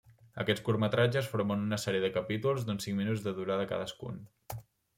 Aquests curtmetratges formen una sèrie de capítols, d’uns cinc minuts de durada cadascun.